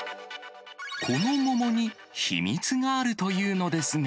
この桃に秘密があるというのですが。